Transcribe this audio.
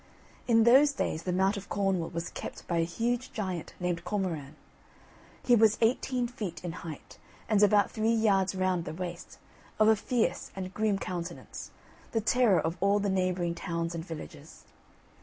In those days the Mount of Cornwall was kept by a huge giant named Cormoran. He was eighteen feet in height, and about three yards round the waist, of a fierce and grim countenance, the terror of all the neighbouring towns and villages.